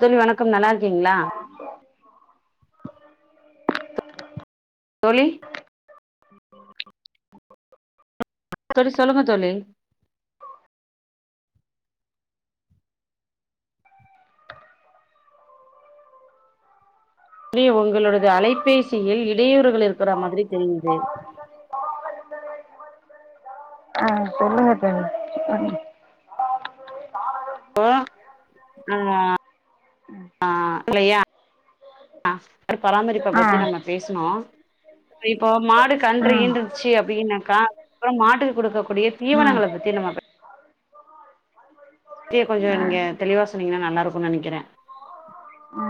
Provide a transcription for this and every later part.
தோழி வணக்கம் நல்லாருக்கிங்ளா தோழி தோழி சொல்லுங்க தோழி ரி ஒங்களுடது அலைபேசியில் இடையூறுகள் இருக்கிற மாதுரி தெரியிது அ சொல்லுங்க தோழி ஓ அ அ இல்லயா அர் பராமரிப்ப ஆ பத்தி நம்ம பேசுனோ இப்போ மாடு ஆ கன்று ஈன்ருதுச்சு அப்டின்னாக்கா அதுக்கப்பறோ மாட்டுக்கு குடுக்கக்கூடிய ஆ தீவனங்கள பத்தி நம்ம தி கொஞ்சோ ஆ நீங்க தெளிவா சொன்னீங்கன்னா நல்லா இருக்குனு நெனக்கிற ஆ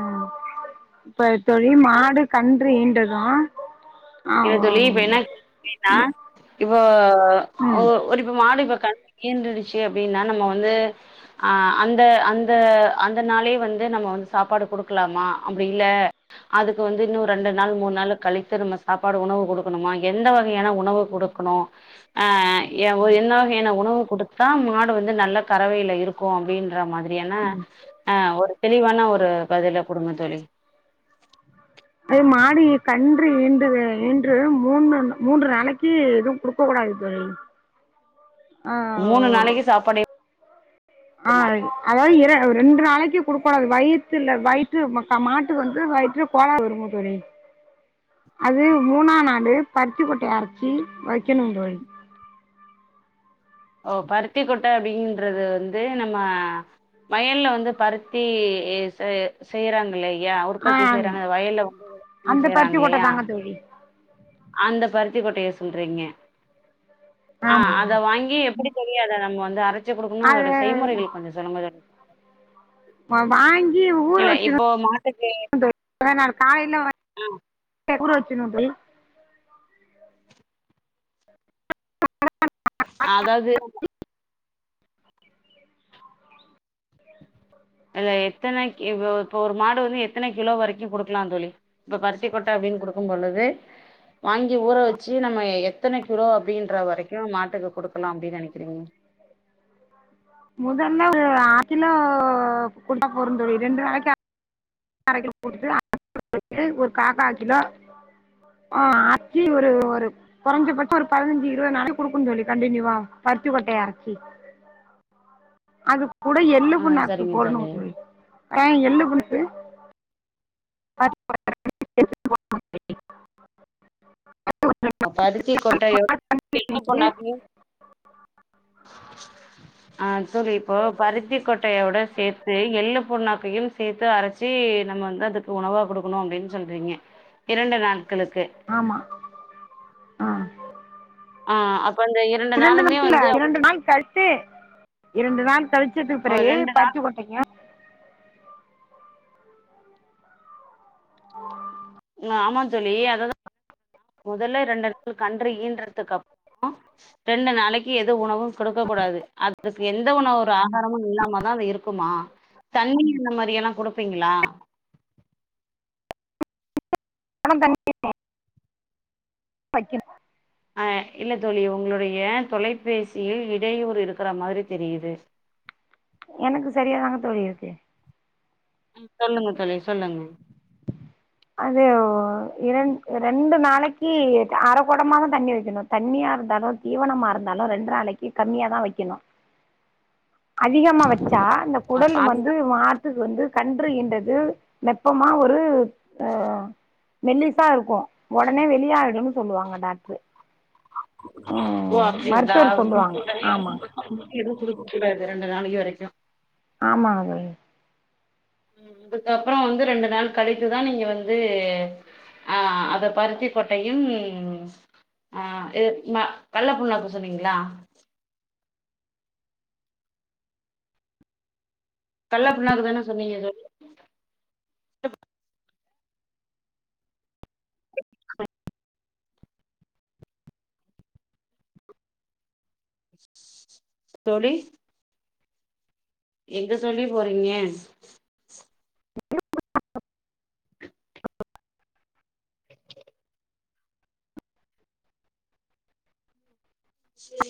இப்ப தோழி மாடு கன்று ஈன்றதா இல்ல தோழி இப்ப என்ன [inaudible] னா இப்போ ம் ஒரு இப்ப மாடு இப்ப கன்று ஈன்றுச்சு அப்டின்னா நம்ம வந்து ஆ அந்த அந்த அந்த நாளே வந்து நம்ம வந்து சாப்பாடு குடுக்கலாமா அப்டி இல்ல அதுக்கு வந்து இன்னு ரெண்டு நாள் மூணு நாள் கழித்து நம்ம சாப்பாடு உணவு குடுக்கணுமா எந்த வகையான உணவு குடுக்கணு அ ஏ ஒ என்ன வகையான உணவு குடுத்தடுத்தா மாடு வந்து நல்ல கறவயில இருக்கு அப்டின்ற மாரியான அ ஒரு தெளிவான ஒரு பதில குடுங்க தோழி அது மாடு இ கன்று ஈன்ற ஈன்று மூன்னு மூன்று நாளக்கி எதுவு குடுக்க கூடாது தோழி மூணு நாளக்கி சாப்பாடு எப் அ அதாது இர ரெண்டு நாளக்கி குடுக் கூடாது வயிற்ல வயிற்று மா மாட்டு வந்து வயிற்று கோலாறு வருமா தோழி அது மூணா நாலு பருத்திச கொட்டய அரச்சு வக்கிணு தோழி ஒ பருத்திக்கொட்ட அப்டின்றது வந்து நம்ம வயல்ல வந்து பருத்தி செ செய்யறாங்கள் யா உற்பத்தி ஆ செய்றாங்க வயல்ல [inaudible] வந்து அந்த பருத்தி செய்றாங்க கொட்ட இல்லயா தாங்க தோழி அந்த பருத்திக்கொட்டய சொல்றீங்க அ ஆமா அத வாங்கி எப்புடி தெரியாத நம்ப வந்து அர சு குடுக்கனு அது அதோட செய்முறைகள் கொஞ்சோ சொல்லங்க வா வாங்கி ஊற இல்ல வெச்சிர்னு இப்போ மாட்டுக்கு மதானார் காலைல ஊற வெச்சுனு தோழி [inaudible] அதாது அத எத்தன கி இப்ப ஒரு மாடு வந்து எத் எத்தன கிலோ வரைக்கு குடுக்லா தோழி இப்ப பருத்திக்கொட்ட அப்டின்னு குடுக்கு பொழுது வாங்கி ஊற வெச்சு நம்ம எத்தன கிலோ அப்டின்ற வரைக்கு மாட்டுக்கு குடுக்கலா அப்டின் நெனக்கிறீங்க முதல்ல ஒரு ஆசிலோ கூட போறு தோழி ரெண்டு நாளக்கு [inaudible] ஒரு காக்கால் கிலோ ஆஹ் அச்சு ஒரு ஒரு குறைஞ்ச பட்சம் ஒரு பதினஞ்சு இருவது நாளைக்கு குடுக்கும்ன்னு தோழி கண்டனியூவா பருத்து கொட்டைய அரைச்சு அது கூட எள்ளு ஆ புண்ணாக்கு சரிங்க போடணு தோழி ஆஹ் எள்ளு புன்னாக்கு [inaudible] பருத்தி கொட்டைய எள்ளு புண்ணாக்கு ஆ தோழி இப்போ பருத்திக்கொட்டையோட சேர்த்து எள்ளு புண்ணாக்கையும் சேத்து அரைச்சி நம்ம வந்து அதுக்கு உணவா கொடுக்கணும் அப்டின்னு சொல்றீங்க இரண்டு நாள் க்களுக்கு ஆஹ் ஆஹ் இரண்டு நாளைக்கில்ல இரண்டு நாள் [unintelligible] இரண்டு நாள் [inaudible] [unintelligible] அ பிறகு ரெண்டு நாள் பர்த்தி கொட்டையும் உ ஆமா தோழி அததான் முதல்ல ரெண்டு நாள் கன்று ஈன்றதுக்கு அப்புறம் ரெண்டு நாளைக்கு எது உணவும் கொடுக்க கூடாது அதுக்கு எந்த உணவு ஒரு ஆகாரமும் இல்லாமாதான் அது இருக்குமா தண்ணி அந்த மாரி எல்லாம் கொடுப்பீங்களா பணம் தண்ணி [unintelligible] ஆ இல்ல தோழி உங்களுடைய தொலைபேசியில் இடையூறு இருக்கிற மாதிரி தெரியுது எனக்கு சரியாதாங்க தோழி இருக்கு ஹ் சொல்லுங்க தோழி சொல்லுங்க அது இரண் ரெண்டு நாளைக்கு அரைக்குடமாதான் தண்ணி வைக்கணும் தண்ணியா இருந்தாலும் தீவனமா இருந்தாலும் ரெண்டு நாளைக்கு கம்மியாதான் வைக்கணும் அதிகமா வச்ச ச்சா இந்த அப்ப குடல் அது வந்து மாட்டுக்கு வந்து கன்று ஈன்றது நெப்பமா ஒரு ஆஹ் மெல்லிசா இருக்கும் உடனே வெளிய ஆயிடும்னு சொல்லுவாங்க டாக்டரு ஓ உம் அப்டிங்களா மருத்துவர் சொல்லுவாங்க ஆமா எதுவும் குடுக்கக்கூடாது ரெண்டு நாளைக்கு வரைக்கும் ஆமா அது உம் அதுக்கப்புறம் வந்து ரெண்டு நாள் கழித்துதான் நீங்க வந்து அஹ் அத பருத்தி கொட்டையும் அஹ் கள்ளபுண்ணாக்கு சொன்னிங்களா கள்ள புண்ணாக்கு தான சொன்னீங்க தோழி தோழி எங்க தௌழி போனீங்க [inaudible] சரி